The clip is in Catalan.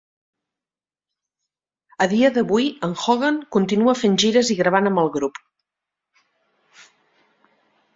A dia d'avui, en Hogan continua fent gires i gravant amb el grup.